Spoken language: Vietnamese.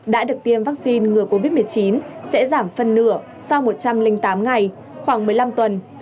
đã được tiêm vaccine ngừa covid một mươi chín sẽ giảm phân nửa sau một trăm linh tám ngày khoảng một mươi năm tuần